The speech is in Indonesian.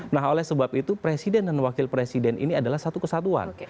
nah oleh sebab itu presiden dan wakil presiden ini adalah satu kesatuan